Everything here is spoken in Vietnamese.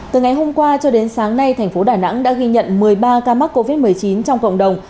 từ ngày hôm qua cho đến sáng nay thành phố đà nẵng đã ghi nhận một mươi ba ca mắc covid một mươi chín trong cộng đồng